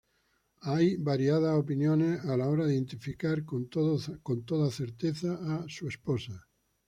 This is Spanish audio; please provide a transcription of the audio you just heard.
Hay variadas opiniones a la hora de identificar con toda certeza a su esposa.